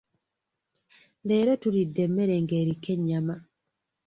Leero tulidde emmere ng’eriko ennyama.